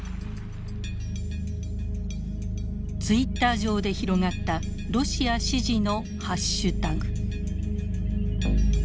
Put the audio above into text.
ツイッター上で広がった「ロシア支持」のハッシュタグ。